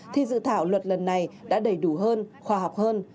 thì dự thảo luật lần này đã đầy đủ hơn khoa học hơn